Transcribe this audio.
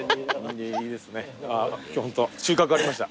今日ホント収穫ありました。